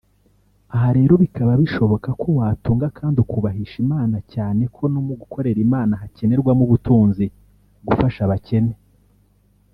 Aha rero bikaba bishoboka ko watunga kandi ukubahisha Imana cyane ko no mugukorera Imana hakenerwamo ubutunzi (gufasha abakene